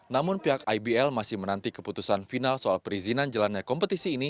namun pihak ibl masih menanti keputusan final soal perizinan jalannya kompetisi ini